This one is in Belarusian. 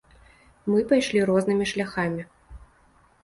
Мы пайшлі рознымі шляхамі.